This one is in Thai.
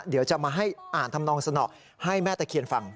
เดี๋ยวจะมาให้อ่านทำนองสนอให้แม่ตะเคียนฟัง